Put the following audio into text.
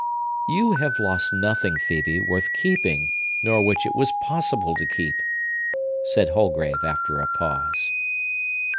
"You have lost nothing, Phœbe, worth keeping, nor which it was possible to keep," said Holgrave after a pause.